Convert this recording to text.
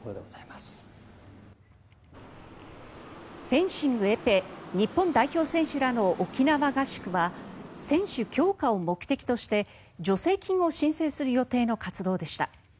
フェンシング・エペ日本代表選手らの沖縄合宿は選手強化を目的として助成金を申請する予定の活動でした。